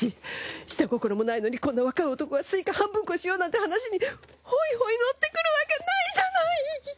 下心もないのにこんな若い男がスイカ半分こしようなんて話にホイホイ乗ってくるわけないじゃない！